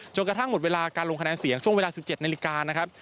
กระทั่งหมดเวลาการลงคะแนนเสียงช่วงเวลา๑๗นาฬิกานะครับ